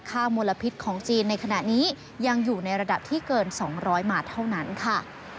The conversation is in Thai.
มลพิษของจีนในขณะนี้ยังอยู่ในระดับที่เกิน๒๐๐บาทเท่านั้นค่ะ